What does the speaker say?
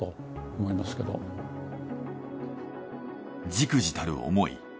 じくじたる思い。